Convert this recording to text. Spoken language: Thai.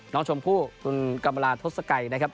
น้องชมพู่คุณกรรมลาทศกัยนะครับ